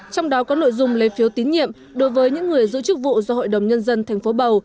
trong đó có nội dung lấy phiếu tín nhiệm đối với những người giữ chức vụ do hội đồng nhân dân tp bầu